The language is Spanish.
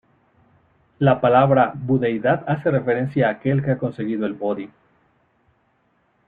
La palabra budeidad hace referencia a aquel que ha conseguido el bodhi.